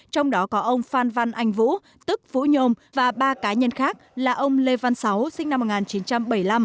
trong đó có ông phan văn anh vũ tức vũ nhôm và ba cá nhân khác là ông lê văn sáu sinh năm một nghìn chín trăm bảy mươi năm